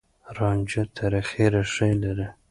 رانجه تاريخي ريښې لري.